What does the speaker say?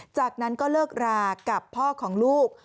จากนั้นก็เลิกรากับพ่อของลูก